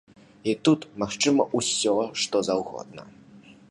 І тут магчыма ўсё што заўгодна.